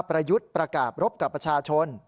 ประยุทธ์ประกาศรบกับประชาชน